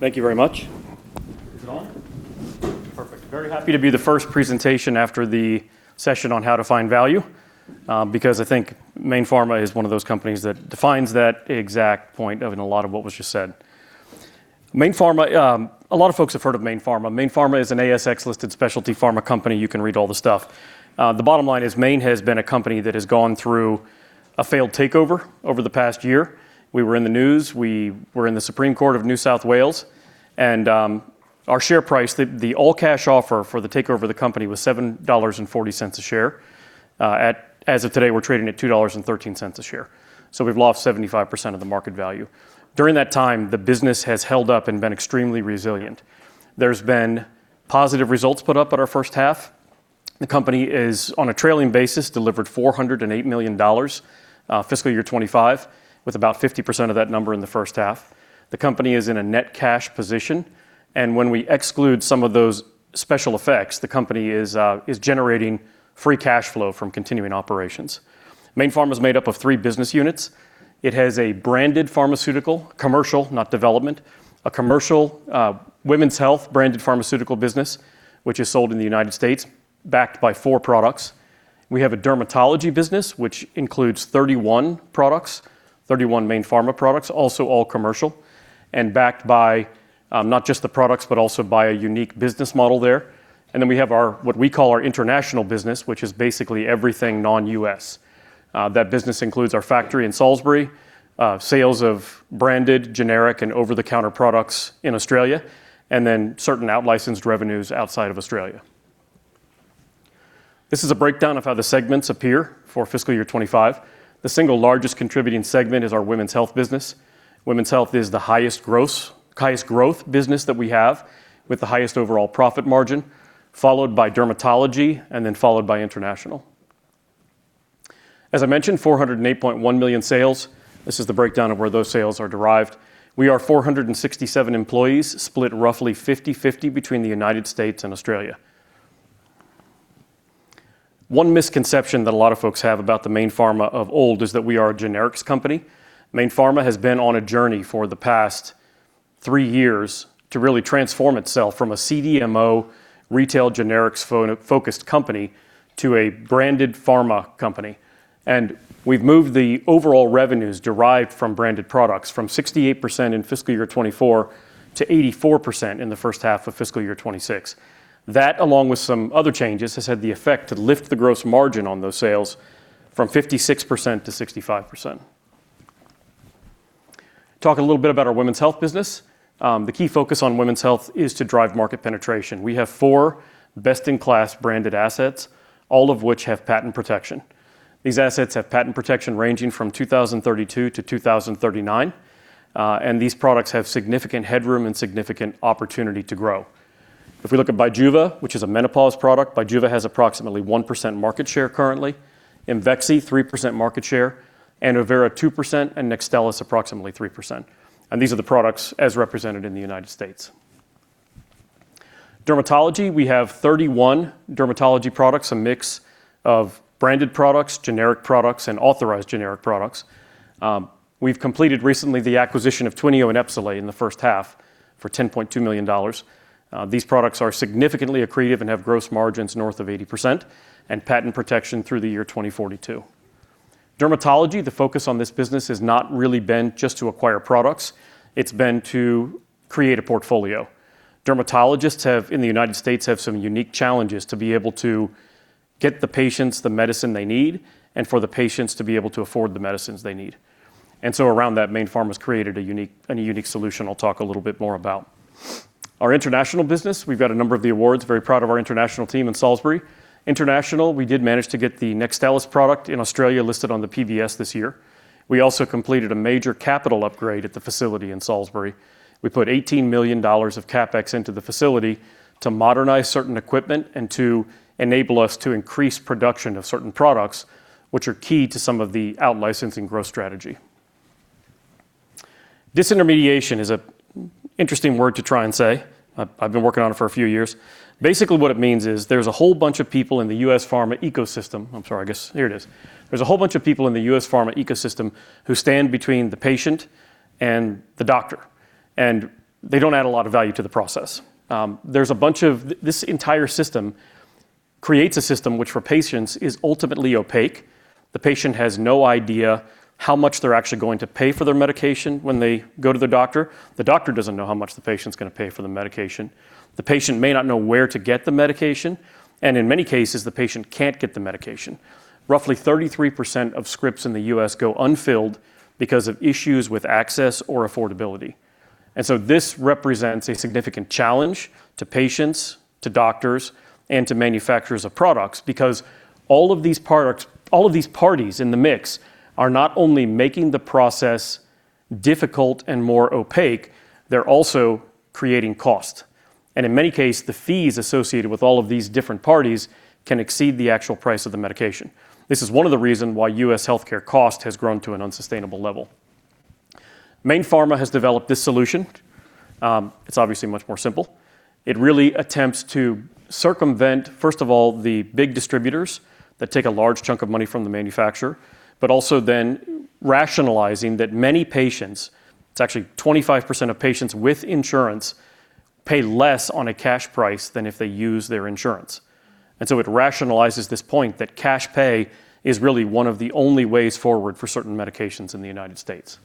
Thank you very much. Is it on? Perfect. Very happy to be the first presentation after the session on how to find value, because I think Mayne Pharma is one of those companies that defines that exact point of in a lot of what was just said. Mayne Pharma, a lot of folks have heard of Mayne Pharma. Mayne Pharma is an ASX-listed specialty pharma company. You can read all the stuff. The bottom line is Mayne has been a company that has gone through a failed takeover over the past year. We were in the news. We were in the Supreme Court of New South Wales, and our share price, the all-cash offer for the takeover of the company was 7.40 dollars a share. As of today, we're trading at 2.13 dollars a share. We've lost 75% of the market value. During that time, the business has held up and been extremely resilient. There has been positive results put up at our first half. The company, on a trailing basis, delivered 408 million dollars, fiscal year 2025, with about 50% of that number in the first half. The company is in a net cash position, and when we exclude some of those special effects, the company is generating free cash flow from continuing operations. Mayne Pharma is made up of three business units. It has a branded pharmaceutical, commercial, not development, a commercial women's health branded pharmaceutical business, which is sold in the United States, backed by four products. We have a dermatology business, which includes 31 products, 31 Mayne Pharma products, also all commercial, and backed by, not just the products, but also by a unique business model there. We have our, what we call our international business, which is basically everything non-U.S. That business includes our factory in Salisbury, sales of branded, generic, and over-the-counter products in Australia, and then certain out-licensed revenues outside of Australia. This is a breakdown of how the segments appear for FY 2025. The single largest contributing segment is our Women's Health business. Women's Health is the highest growth business that we have with the highest overall profit margin, followed by Dermatology and then followed by International. As I mentioned, 408.1 million sales. This is the breakdown of where those sales are derived. We are 467 employees, split roughly 50/50 between the United States and Australia. One misconception that a lot of folks have about the Mayne Pharma of old is that we are a generics company. Mayne Pharma has been on a journey for the past three years to really transform itself from a CDMO retail generics focused company to a branded pharma company. We've moved the overall revenues derived from branded products from 68% in FY 2024 to 84% in the first half of FY 2026. That, along with some other changes, has had the effect to lift the gross margin on those sales from 56%-65%. Talk a little bit about our women's health business. The key focus on women's health is to drive market penetration. We have four best-in-class branded assets, all of which have patent protection. These assets have patent protection ranging from 2032-2039, and these products have significant headroom and significant opportunity to grow. If we look at BIJUVA, which is a menopause product, BIJUVA has approximately 1% market share currently. IMVEXXY, 3% market share, ANNOVERA, 2%, and NEXTSTELLIS, approximately 3%. These are the products as represented in the United States. Dermatology, we have 31 dermatology products, a mix of branded products, generic products, and authorized generic products. We've completed recently the acquisition of TWYNEO and EPSOLAY in the first half for $10.2 million. These products are significantly accretive and have gross margins north of 80% and patent protection through 2042. Dermatology, the focus on this business has not really been just to acquire products, it's been to create a portfolio. Dermatologists have in the United States some unique challenges to be able to get the patients the medicine they need and for the patients to be able to afford the medicines they need. Around that, Mayne Pharma has created a unique solution I'll talk a little bit more about. Our international business, we've got a number of the awards. Very proud of our international team in Salisbury. International, we did manage to get the NEXTSTELLIS product in Australia listed on the PBS this year. We also completed a major capital upgrade at the facility in Salisbury. We put 18 million dollars of CapEx into the facility to modernize certain equipment and to enable us to increase production of certain products, which are key to some of the out-licensing growth strategy. Disintermediation is an interesting word to try and say. I've been working on it for a few years. Basically, what it means is there's a whole bunch of people in the U.S. pharma ecosystem who stand between the patient and the doctor, and they don't add a lot of value to the process. This entire system creates a system which for patients is ultimately opaque. The patient has no idea how much they're actually going to pay for their medication when they go to the doctor. The doctor doesn't know how much the patient's gonna pay for the medication. The patient may not know where to get the medication, and in many cases, the patient can't get the medication. Roughly 33% of scripts in the U.S. go unfilled because of issues with access or affordability. This represents a significant challenge to patients, to doctors, and to manufacturers of products because all of these products, all of these parties in the mix are not only making the process difficult and more opaque, they're also creating cost. In many cases, the fees associated with all of these different parties can exceed the actual price of the medication. This is one of the reasons why U.S. healthcare costs have grown to an unsustainable level. Mayne Pharma has developed this solution. It's obviously much more simple. It really attempts to circumvent, first of all, the big distributors that take a large chunk of money from the manufacturer, but also then rationalizing that many patients, it's actually 25% of patients with insurance, pay less on a cash price than if they use their insurance. It rationalizes this point that cash pay is really one of the only ways forward for certain medications in the United States.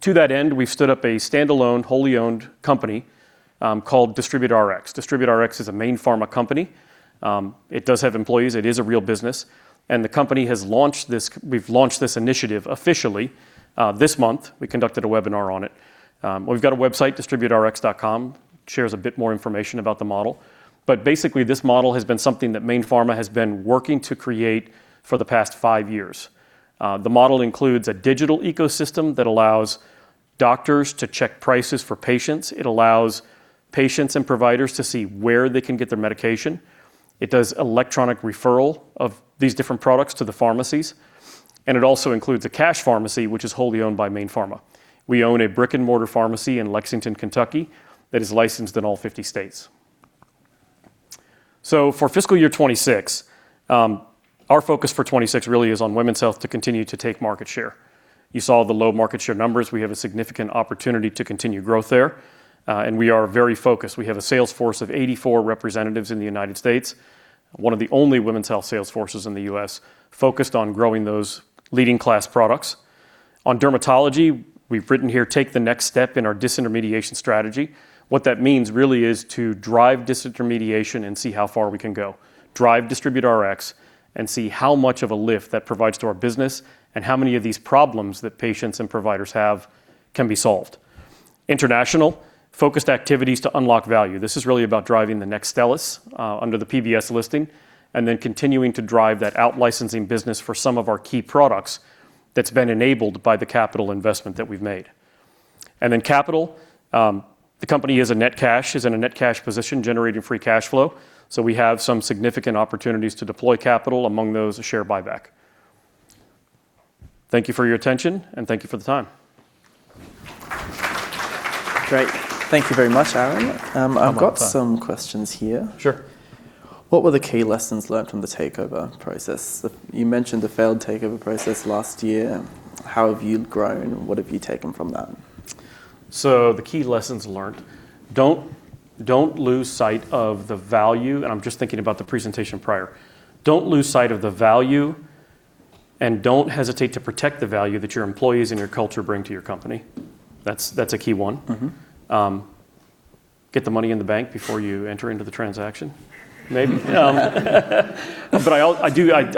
To that end, we've stood up a standalone, wholly owned company called DistributeRx™. DistributeRx™ is a Mayne Pharma company. It does have employees. It is a real business, and we've launched this initiative officially this month. We conducted a webinar on it. We've got a website distributerx.com, shares a bit more information about the model. Basically, this model has been something that Mayne Pharma has been working to create for the past five years. The model includes a digital ecosystem that allows doctors to check prices for patients. It allows patients and providers to see where they can get their medication. It does electronic referral of these different products to the pharmacies, and it also includes a cash pharmacy, which is wholly owned by Mayne Pharma. We own a brick-and-mortar pharmacy in Lexington, Kentucky that is licensed in all 50 states. For fiscal year 2026, our focus for 2026 really is on women's health to continue to take market share. You saw the low market share numbers. We have a significant opportunity to continue growth there. We are very focused. We have a sales force of 84 representatives in the United States, one of the only women's health sales forces in the U.S. focused on growing those leading-class products. On dermatology, we've written here, "Take the next step in our disintermediation strategy." What that means really is to drive disintermediation and see how far we can go, drive DistributeRx™ and see how much of a lift that provides to our business and how many of these problems that patients and providers have can be solved. International, focused activities to unlock value. This is really about driving the next NEXTSTELLIS under the PBS listing and then continuing to drive that out licensing business for some of our key products that's been enabled by the capital investment that we've made. Capital, the company is in a net cash position, generating free cash flow, so we have some significant opportunities to deploy capital, among those a share buyback. Thank you for your attention, and thank you for the time. Great. Thank you very much, Aaron. My pleasure. I've got some questions here. Sure. What were the key lessons learned from the takeover process? You mentioned the failed takeover process last year. How have you grown, and what have you taken from that? The key lessons learned, don't lose sight of the value, and I'm just thinking about the presentation prior. Don't lose sight of the value, and don't hesitate to protect the value that your employees and your culture bring to your company. That's a key one. Mm-hmm. Get the money in the bank before you enter into the transaction. Maybe. I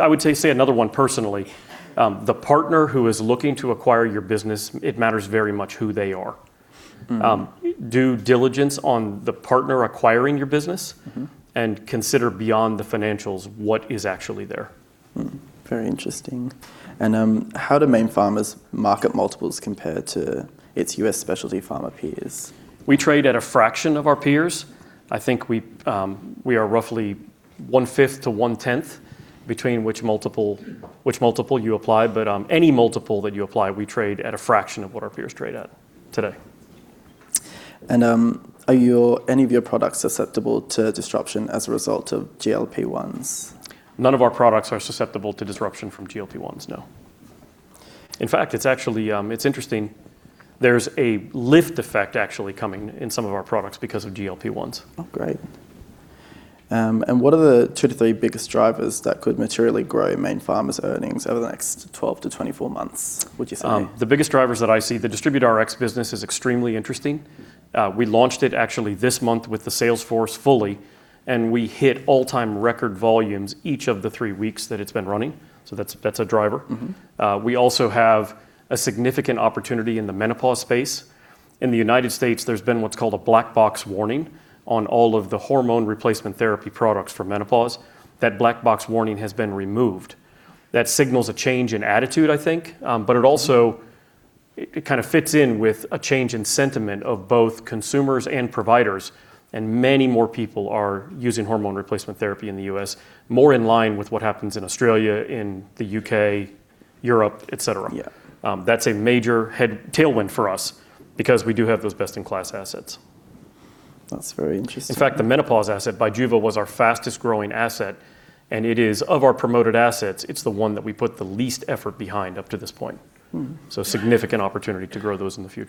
would say another one personally. The partner who is looking to acquire your business, it matters very much who they are. Mm-hmm. Due diligence on the partner acquiring your business. Mm-hmm Consider beyond the financials what is actually there. Mm-hmm. Very interesting. How do Mayne Pharma's market multiples compare to its U.S. specialty pharma peers? We trade at a fraction of our peers. I think we are roughly one-fifth to one-tenth between which multiple you apply. Any multiple that you apply, we trade at a fraction of what our peers trade at today. Are any of your products susceptible to disruption as a result of GLP-1s? None of our products are susceptible to disruption from GLP-1s, no. In fact, it's actually, it's interesting. There's a lift effect actually coming in some of our products because of GLP-1s. Oh, great. What are the two to three biggest drivers that could materially grow Mayne Pharma's earnings over the next 12-24 months, would you say? The biggest drivers that I see, the DistributeRx™ business is extremely interesting. We launched it actually this month with the sales force fully, and we hit all-time record volumes each of the three weeks that it's been running. That's a driver. Mm-hmm. We also have a significant opportunity in the menopause space. In the United States, there's been what's called a black box warning on all of the hormone replacement therapy products for menopause. That black box warning has been removed. That signals a change in attitude, I think. It also, it kind of fits in with a change in sentiment of both consumers and providers, and many more people are using hormone replacement therapy in the U.S., more in line with what happens in Australia, in the U.K., Europe, et cetera. Yeah. That's a major tailwind for us because we do have those best-in-class assets. That's very interesting. In fact, the menopause asset, BIJUVA, was our fastest-growing asset, and it is, of our promoted assets, it's the one that we put the least effort behind up to this point. Mm-hmm. Significant opportunity to grow those in the future.